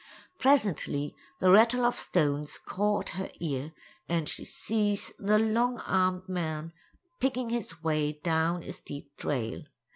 Presently the rattle of stones caught her ear and she sees the long armed man picking his way down a steep trail.